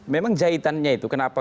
memang jahitannya itu kenapa